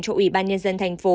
cho ủy ban nhân dân thành phố